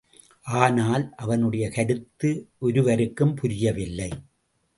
ஆனால், அவனுடைய கருத்து ஒருவருக்கும் புரியவில்லை.